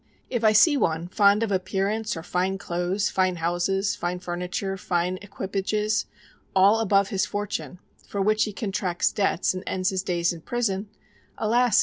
If I see one fond of appearance, or fine clothes, fine houses, fine furniture, fine equipages, all above his fortune, for which he contracts debts and ends his days in prison, _Alas!